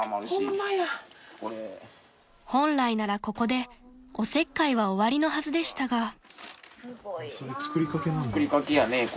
［本来ならここでおせっかいは終わりのはずでしたが］